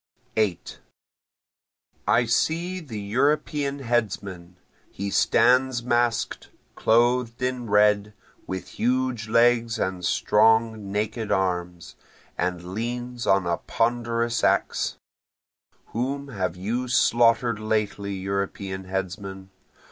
8 I see the European headsman, He stands mask'd, clothed in red, with huge legs and strong naked arms, And leans on a ponderous axe. (Whom have you slaughter'd lately European headsman?